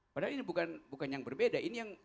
padahal ini bukan yang berbeda